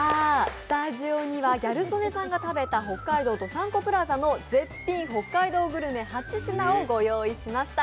スタジオにはギャル曽根さんが食べた北海道どさんこプラザの絶品北海道グルメ８品をご用意しました。